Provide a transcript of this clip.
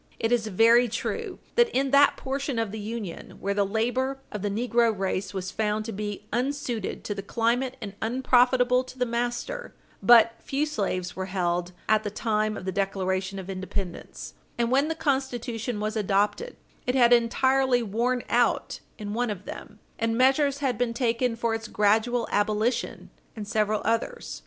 It is very true that, in that portion of the Union where the labor of the negro race was found to be unsuited to the climate and unprofitable to the master, but few slaves were held at the time of the Declaration of Independence, and when the Constitution was adopted, it had entirely worn out in one of them, and measures had been taken for its gradual abolition in several others.